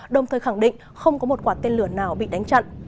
đồng thời khẳng định không có một quả tên lửa nào bị đánh chặn